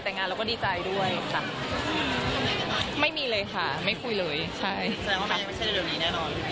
แสดงว่าไม่ใช่เร็วนี้แน่นอน